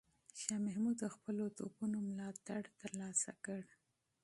شاه محمود د خپلو توپونو ملاتړ ترلاسه کړ.